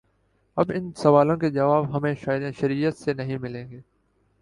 اب ان سوالوں کے جواب ہمیں شریعت سے نہیں ملیں گے۔